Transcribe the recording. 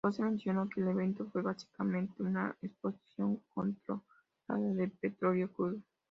Rose mencionó que el evento fue básicamente una explosión incontrolada de petróleo crudo.